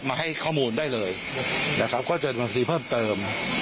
ให้ข้อมูลได้เลยนะครับก็จะบัญชีเพิ่มเติม